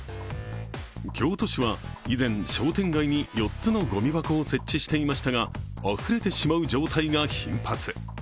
京都市は以前、商店街に４つのごみ箱を設置していましたがあふれてしまう状態が頻発。